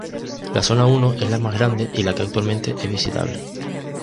La "Zona I" es la más grande y la que actualmente es visitable.